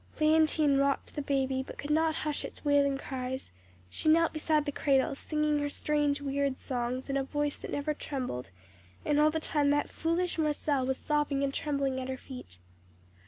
"Léontine rocked the baby, but could not hush its wailing cries; she knelt beside the cradle, singing her strange, weird songs in a voice that never trembled, and all the time that foolish Marcelle was sobbing and trembling at her feet.